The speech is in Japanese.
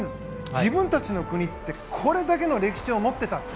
自分たちの国ってこれだけの歴史を持ってたって。